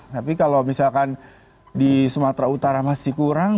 tapi kalau misalkan di sumatera utara masih kurang